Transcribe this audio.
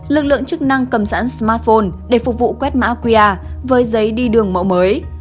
lực lượng chức năng cầm sẵn smartphone để phục vụ quét mã quy rồi cốt với giấy đi đường mẫu mới